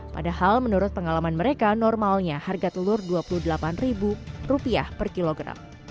padahal menurut pengalaman mereka normalnya harga telur rp dua puluh delapan per kilogram